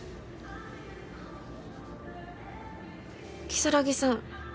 如月さん